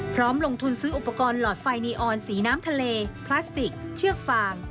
พร้อมลงทุนซื้ออุปกรณ์หลอดไฟนีออนสีน้ำทะเลพลาสติกเชือกฟาง